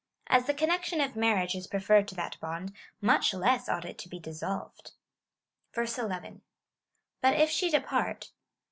As the connection of marriage is preferred to that bond, much less ought it to be dissolved. 11. But if she depart.